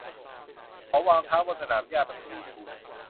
เขาวางเท้าบนสนามหญ้าแบบทวีคูณ